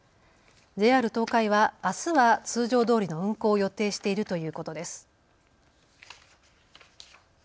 ＪＲ東海はあすは通常どおりの運行を予定しているということです。